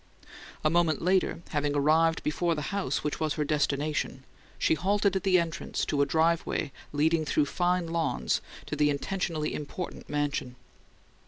A moment later, having arrived before the house which was her destination, she halted at the entrance to a driveway leading through fine lawns to the intentionally important mansion.